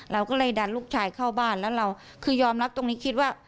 เราก็เลยดันลูกชายเข้าบ้านแล้วเราคือยอมรับตรงนี้คิดว่า